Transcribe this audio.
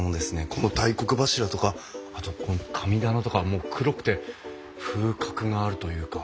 この大黒柱とかあとこの神棚とかも黒くて風格があるというか。